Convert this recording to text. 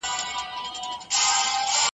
را ټینګ کړي مي په نظم هم دا مځکه اسمانونه .